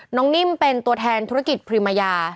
นิ่มเป็นตัวแทนธุรกิจพรีมายา